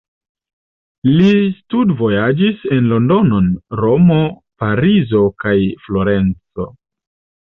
Li studvojaĝis en London, Romo, Parizo, kaj Florenco.